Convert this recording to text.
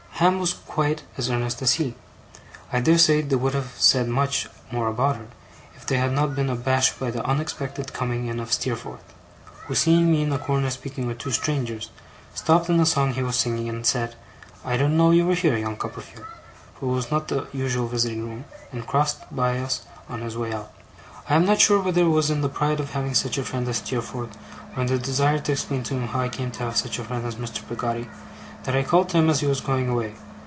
Ham was quite as earnest as he. I dare say they would have said much more about her, if they had not been abashed by the unexpected coming in of Steerforth, who, seeing me in a corner speaking with two strangers, stopped in a song he was singing, and said: 'I didn't know you were here, young Copperfield!' (for it was not the usual visiting room) and crossed by us on his way out. I am not sure whether it was in the pride of having such a friend as Steerforth, or in the desire to explain to him how I came to have such a friend as Mr. Peggotty, that I called to him as he was going away.